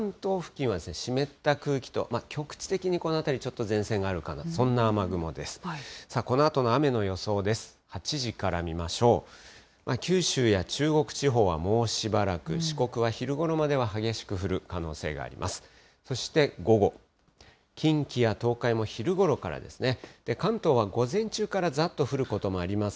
九州や中国地方はもうしばらく、四国は昼ごろまでは激しく降る可能性があります。